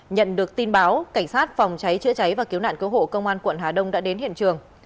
nhận được tin báo cảnh sát phòng cháy chữa cháy và cứu nạn cứu hộ công an quận hà đông đã đến hiện trường